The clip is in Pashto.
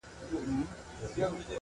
مخ يې واړاوه يو ځل د قاضي لور ته!.